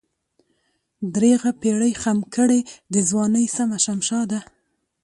درېغه پيرۍ خم کړې دَځوانۍ سمه شمشاده